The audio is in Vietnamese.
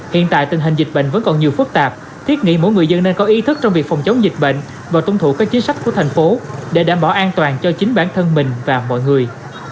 hiện tại tình hình dịch bệnh vẫn còn nhiều phức tạp thiết nghĩ mỗi người dân nên có ý thức trong việc phòng chống dịch bệnh và tuân thủ các chính sách của thành phố để đảm bảo an toàn cho chính bản thân mình và mọi người